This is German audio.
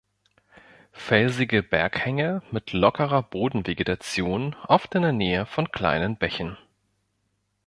Felsige Berghänge mit lockerer Bodenvegetation, oft in der Nähe von kleinen Bächen.